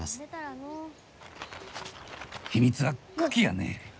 秘密は茎やね！